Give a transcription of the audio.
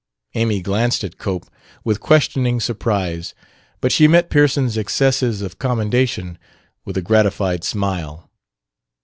Amy glanced at Cope with questioning surprise; but she met Pearson's excesses of commendation with a gratified smile.